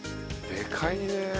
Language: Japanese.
でかいね。